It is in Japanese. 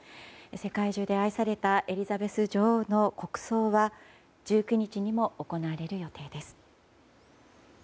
世界中で愛されたエリザベス女王の国葬は１９日にも行われる予定です。